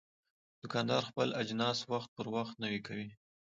دوکاندار خپل اجناس وخت پر وخت نوی کوي.